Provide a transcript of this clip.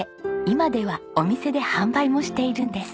今ではお店で販売もしているんです。